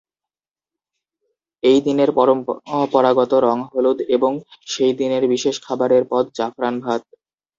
এই দিনের পরম্পরাগত রং হলুদ এবং সেই দিনের বিশেষ খাবারের পদ জাফরান ভাত।